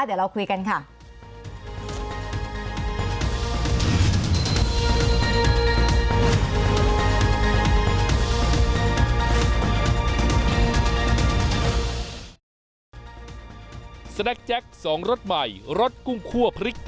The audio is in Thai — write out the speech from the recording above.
เดี๋ยวเราคุยกันค่ะ